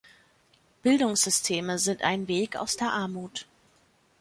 Bildungssysteme sind ein Weg aus der Armut.